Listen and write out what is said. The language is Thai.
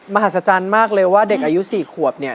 มหัศจรรย์มากเลยว่าเด็กอายุ๔ขวบเนี่ย